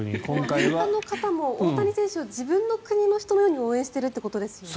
アメリカの方も大谷選手を自分の国の方のように応援してるってことですよね。